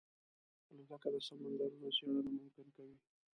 الوتکه د سمندرونو څېړنه ممکنه کوي.